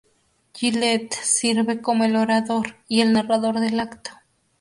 Jillette sirve como el orador y el narrador del acto.